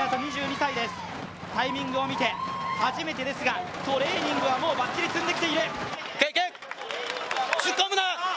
タイミングをみて、初めてですがトレーニングはもうばっちり積んできている。